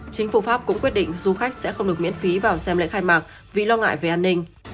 chính phủ pháp cũng quyết định du khách sẽ không được miễn phí vào xem lễ khai mạc vì lo ngại về an ninh